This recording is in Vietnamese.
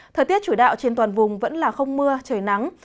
thời tiết chủ đạo trên toàn vùng vẫn là không mưa trời nắng